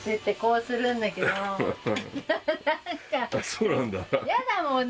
そうなんだ。